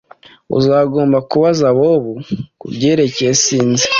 Uzagomba kubaza Bobo kubyerekeye Sinzi